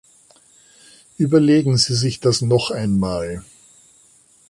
Überlegen Sie sich das noch einmal.